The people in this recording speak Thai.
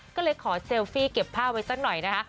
ก็เลยขอเซลฟี่เก็บผ้าไว้สักหน่อยนะคะ